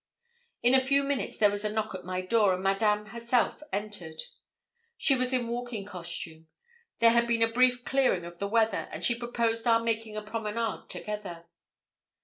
In a few minutes there was a knock at my door, and Madame herself entered. She was in walking costume. There had been a brief clearing of the weather, and she proposed our making a promenade together.